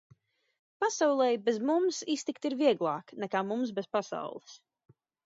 Pasaulei bez mums iztikt ir vieglāk nekā mums bez pasaules.